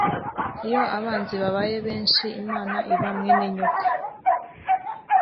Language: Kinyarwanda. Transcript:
iyo abanzi babaye benshi imana iba mwene nyoko